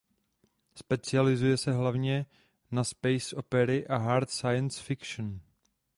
Specializuje se hlavně na space opery a hard science fiction.